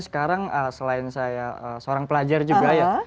sekarang selain saya seorang pelajar juga ya